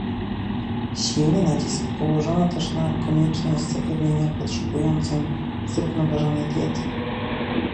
Silny nacisk położono też na konieczność zapewnienia potrzebującym zrównoważonej diety